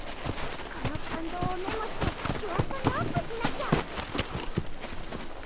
この感動をメモしてキュアスタにアップしなきゃ！